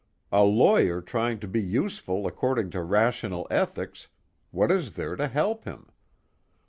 A lawyer trying to be useful according to rational ethics what is there to help him?